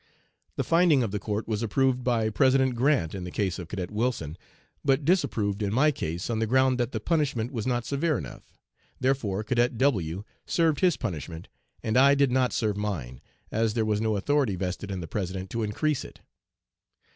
The finding of the court was approved by President Grant in the case of Cadet Wilson, but disapproved in my case, on the ground that the punishment was not severe enough. Therefore, Cadet W. served his punishment and I did not serve mine, as there was no authority vested in the President to increase it.